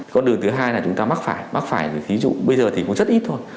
con đường thứ hai là chúng ta mắc phải mắc phải ví dụ bây giờ thì cũng rất ít thôi